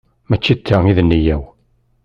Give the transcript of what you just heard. Mačči d ta i d nneyya-w.